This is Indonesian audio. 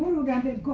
umur lu ganti gocak